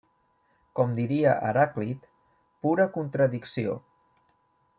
Com diria Heràclit, pura contradicció.